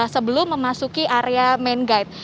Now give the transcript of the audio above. sebelum memasuki area main guide